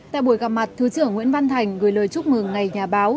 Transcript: tại buổi gặp mặt thứ trưởng nguyễn văn thành gửi lời chúc mừng ngày nhà báo